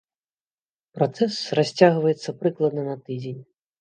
Працэс расцягваецца прыкладна на тыдзень.